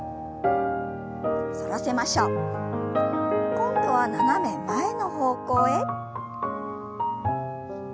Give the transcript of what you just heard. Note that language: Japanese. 今度は斜め前の方向へ。